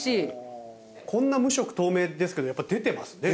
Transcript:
こんな無色透明ですけどやっぱり出てますね。